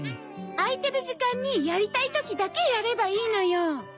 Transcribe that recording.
空いてる時間にやりたい時だけやればいいのよ。